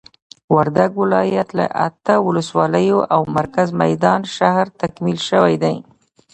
وردګ ولايت له اته ولسوالیو او مرکز میدان شهر تکمیل شوي دي.